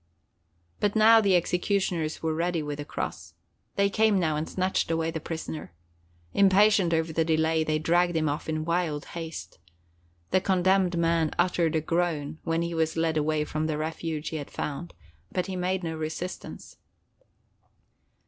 But now the executioners were ready with the cross. They came now and snatched away the prisoner. Impatient over the delay, they dragged him off in wild haste. The condemned man uttered a groan when he was led away from the refuge he had found, but he made no resistance.